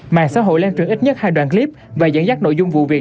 mạng xã hội lan truyền ít nhất hai đoàn clip và dẫn dắt nội dung vụ việc